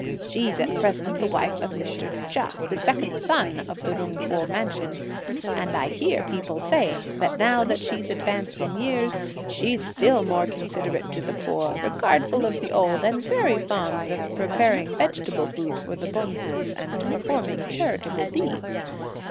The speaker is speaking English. She's at present the wife of Mr. Chia, the second son of the Jung Kuo mansion; and I hear people say that now that she's advanced in years, she's still more considerate to the poor, regardful of the old, and very fond of preparing vegetable food for the bonzes and performing charitable deeds.